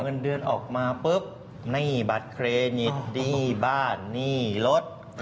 เงินเดือนออกมาปุ๊บหนี้บัตรเครดิตหนี้บ้านหนี้รถ